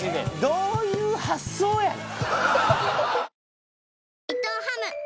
どういう発想やねん？